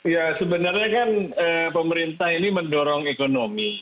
ya sebenarnya kan pemerintah ini mendorong ekonomi